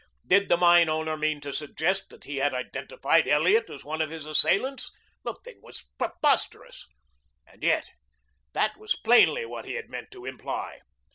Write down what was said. Did the mine owner mean to suggest that he had identified Elliot as one of his assailants? The thing was preposterous. And yet that was plainly what he had meant to imply.